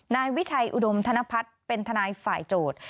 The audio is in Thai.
นายวิชัยอุดมธนพัฒน์เป็นทนายฝ่ายโจทย์